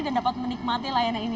dan dapat menikmati layanan ini